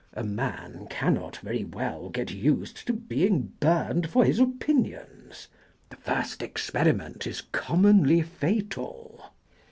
A man cannot very well get used to being burned for his opinions ; the first experiment is commonly fatal.